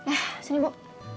eh sini ibu